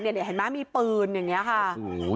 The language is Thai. เห็นไหมมีปืนอย่างนี้ค่ะ